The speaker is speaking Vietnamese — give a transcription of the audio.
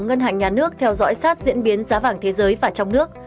ngân hàng nhà nước theo dõi sát diễn biến giá vàng thế giới và trong nước